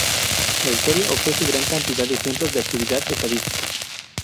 La Historia ofrece gran cantidad de ejemplos de actividad estadística.